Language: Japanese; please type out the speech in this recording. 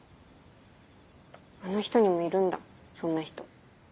あの人にもいるんだそんな人。